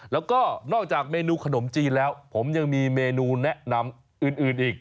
แล้วก็นอกจากเมนูขนมจีนแล้วผมยังมีเมนูแนะนำอื่นอีก